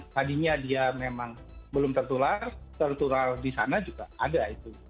tadinya dia memang belum tertular tertular di sana juga ada itu